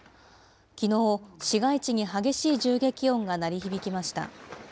きのう、市街地に激しい銃撃音が鳴り響きました。